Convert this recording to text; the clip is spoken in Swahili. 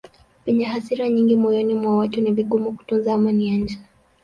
Penye hasira nyingi moyoni mwa watu ni vigumu kutunza amani ya nje.